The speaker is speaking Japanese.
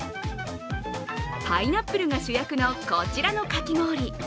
パイナップルが主役のこちらのかき氷。